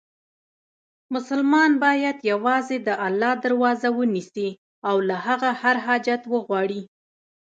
مسلمان باید یووازې د الله دروازه ونیسي، او له هغه هر حاجت وغواړي.